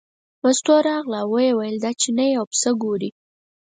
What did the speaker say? مستو راغله او ویې ویل دا چینی او پسه ګورې.